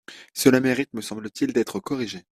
Cela mérite, me semble-t-il, d’être corrigé.